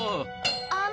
あの。